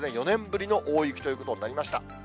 ４年ぶりの大雪ということになりました。